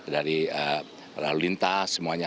dari lalu lintas semuanya